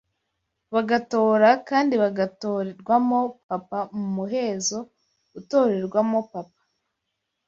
bagatora kandi bagatorwamo Papa mu muhezo utorerwamo Papa